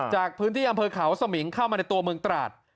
จากพื้นที่อำเภอเขาสมิงเข้ามาในตัวเมืองตราด